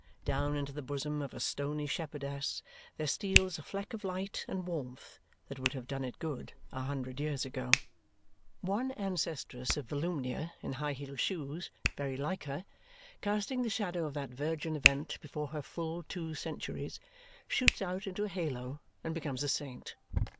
Down into the bosom of a stony shepherdess there steals a fleck of light and warmth that would have done it good a hundred years ago. One ancestress of Volumnia, in high heeled shoes, very like her casting the shadow of that virgin event before her full two centuries shoots out into a halo and becomes a saint.